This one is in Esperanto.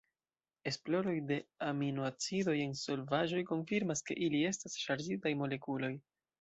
Esploroj de aminoacidoj en solvaĵoj konfirmas ke ili estas ŝargitaj molekuloj.